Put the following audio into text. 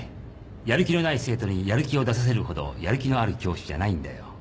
やる気のない生徒にやる気を出させるほどやる気のある教師じゃないんだよ。